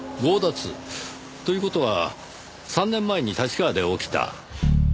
という事は３年前に立川で起きた？